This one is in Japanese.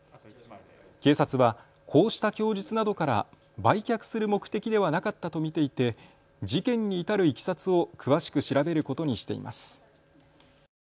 警察はこうした供述などから売却する目的ではなかったと見ていて事件に至るいきさつを詳しく調べることにしています。